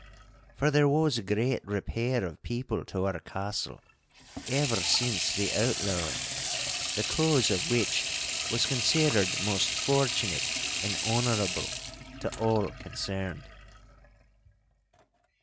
For there was a great repair of people to our castle ever since the outlawing, the cause of which was considered most fortunate and honourable to all concerned.